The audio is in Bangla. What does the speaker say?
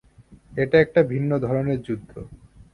এটা একটা ভিন্ন ধরনের যুদ্ধ।